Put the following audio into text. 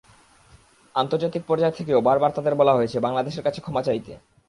আন্তর্জাতিক পর্যায় থেকেও বারবার তাদের বলা হয়েছে, বাংলাদেশের কাছে ক্ষমা চাইতে।